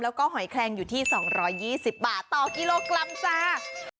แล้วก็หอยแคลงอยู่ที่๒๒๐บาทต่อกิโลกรัมจ้า